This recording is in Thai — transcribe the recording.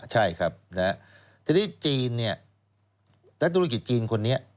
ใช่ครับทีนี้จีนเนี่ยนักธุรกิจจีนคนนี้